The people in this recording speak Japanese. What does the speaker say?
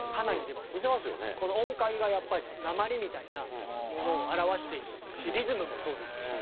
この音階がやっぱり「なまり」みたいなものを表しているしリズムもそうですし。